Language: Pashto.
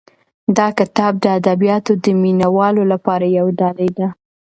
دا کتاب د ادبیاتو د مینه والو لپاره یو ډالۍ ده.